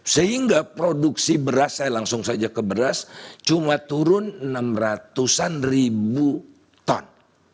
sehingga produksi beras saya langsung saja ke beras cuma turun enam ratus an ribu ton